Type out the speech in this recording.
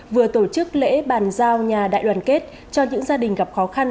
vừa tổ chức lễ bàn giao nhà đại đoàn kết cho những gia đình gặp khó khăn